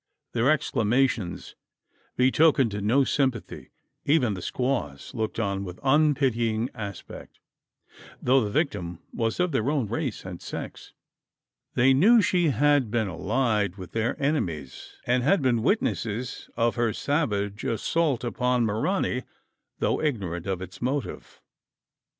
Their exclamations betokened no sympathy. Even the squaws looked on with unpitying aspect though the victim was of their own race and sex. They knew she had been allied with their enemies; and had been witnesses of her savage assault upon Maranee, though ignorant of its motive.